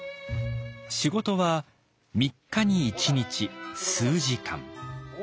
仕事は三日に一日数時間。